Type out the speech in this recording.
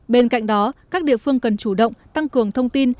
bên cạnh đó các địa phương cần chủ động tăng cường thông tin